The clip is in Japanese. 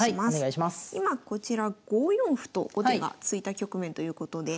今こちら５四歩と後手が突いた局面ということで。